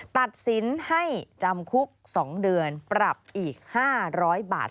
ตัดสินให้จำคุก๒เดือนปรับอีก๕๐๐บาท